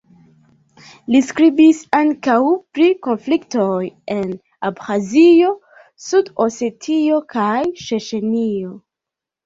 Li skribis ankaŭ pri konfliktoj en Abĥazio, Sud-Osetio kaj Ĉeĉenio.